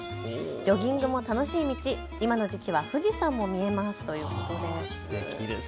ジョギングも楽しい道、今の時期は富士山も見えますということです。